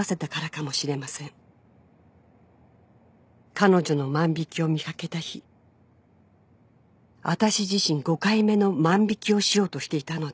「彼女の万引を見掛けた日私自身５回目の万引をしようとしていたのです」